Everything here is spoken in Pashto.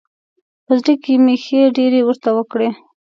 په زړه کې مې ښې ډېرې ورته وکړې.